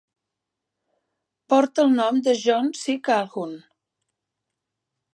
Porta el nom de John C. Calhoun.